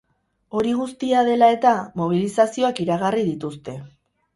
Hori guztia dela eta, mobilizazioak iragarri dituzte.